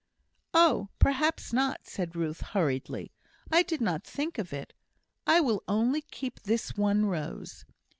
"No; perhaps not," said Ruth, hurriedly. "I did not think of it. I will only keep this one rose.